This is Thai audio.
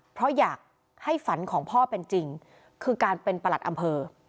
เพราะอยากให้ฝันของพ่อเป็นจริงคือการเป็นประหลัดอำเภอ